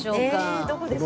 えどこですか？